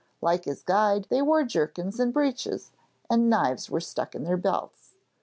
Like his guide they wore jerkins and breeches, and knives were stuck in their belts.